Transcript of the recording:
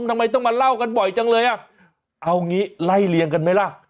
ทำไมต้องมาเล่ากันบ่อยจังเลยอ่ะเอางี้ไล่เลี่ยงกันไหมล่ะ